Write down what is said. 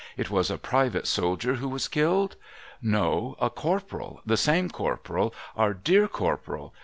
' It was a private soldier who was killed ?'' No. A Corporal, the same Corporal, our dear Corporal.